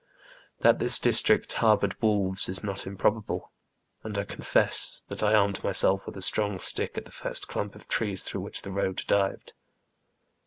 That this district harboured wolves is not improbable, and I confess that I armed myself with a strong stick at the first clump of trees through which the road dived.